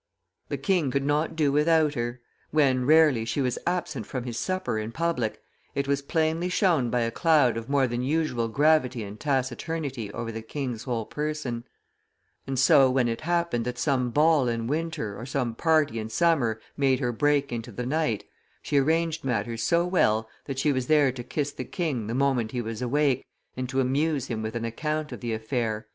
The king could not do without her; when, rarely, she was absent from his supper in public, it was plainly shown by a cloud of more than usual gravity and taciturnity over the king's whole person; and so, when it happened that some ball in winter or some party in summer made her break into the night, she arranged matters so well that she was there to kiss the king the moment he was awake, and to amuse him with an account of the affair."